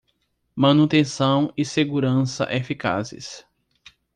Manutenção e segurança eficazes